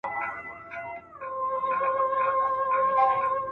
تخیل د ذهن وزرونه دي.